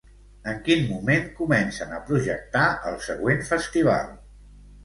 En quin moment comencen a projectar el següent festival?